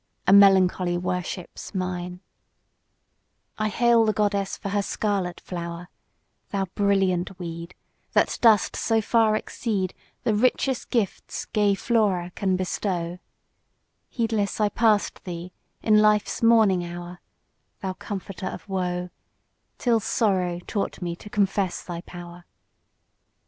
a melancholy worship's mine, I hail the goddess for her scarlet flower; Thou brilliant weed, That dost so far exceed The richest gifts gay Flora can bestow: Heedless I pass'd thee, in life's morning hour, (Thou comforter of woe) Till sorrow taught me to confess thy power.